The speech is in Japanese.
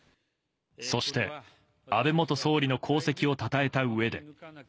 そして、安倍元総理の功績をたたえたうえで。